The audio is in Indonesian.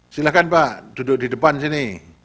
silahkan pak duduk di depan sini